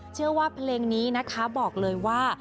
เชื่อว่าเพลงนี้นะคะบอกเลยว่า